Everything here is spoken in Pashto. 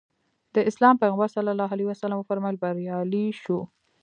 د اسلام پیغمبر ص وفرمایل بریالی شو.